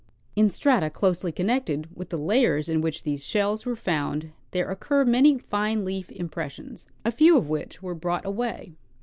In strata closely connected with the layers in which these shells were found there occur many fine leaf impressions, a few of which were brought away.